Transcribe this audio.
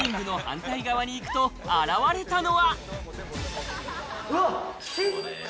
リビングの反対側に行くと現れたのは。